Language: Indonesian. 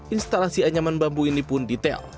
instalasi anyaman bambu ini pun detail